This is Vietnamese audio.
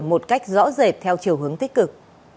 một cách rõ rệt theo chiều hướng tích cực